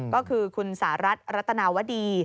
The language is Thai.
ก็คือคุณสหรัฐรัตนาวดี